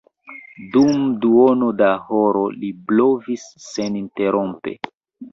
Dum duono da horo li blovis seninterrompe.